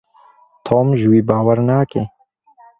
Tom ji wî bawer nake.